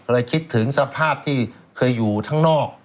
คิดถึงสภาพที่เคยอยู่ข้างนอก